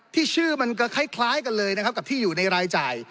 ที่ชื่อมันก็คล้ายกันเลยนะครับกับที่อยู่ในรายจ่าย